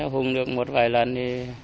hùng được một vài lần